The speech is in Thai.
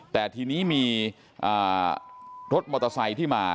แต่ทีนี้มีรถมอเตอร์ไซค์ที่มา